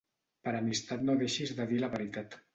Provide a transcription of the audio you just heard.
Per amistat no deixis de dir la veritat.